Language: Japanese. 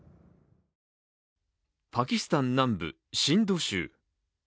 パキスタン南部、シンド州。